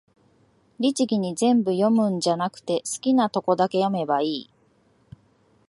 律儀に全部読むんじゃなくて、好きなとこだけ読めばいい